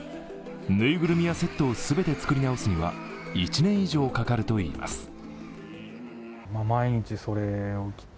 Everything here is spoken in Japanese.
ぬいぐるみやセットを全て作り直すには１年以上かかるといいます